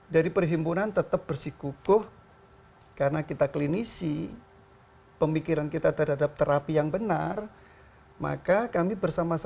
jadi teman teman berdadigasi se indonesia tetap memberikan